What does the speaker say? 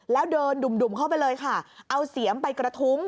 แล้วเดินดุ่มเข้าไปเลยค่ะเอาเสียมไปกระทุ้ง